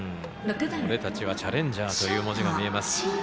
「俺達はチャレンジャー」という文字が見えます。